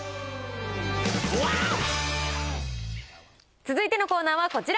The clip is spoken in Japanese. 続いてのコーナーはこちら。